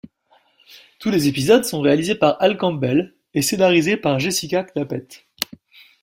Tous les épisodes sont réalisés par Al Campbell et scénarisés par Jessica Knappett.